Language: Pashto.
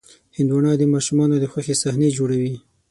هندوانه د ماشومانو د خوښې صحنې جوړوي.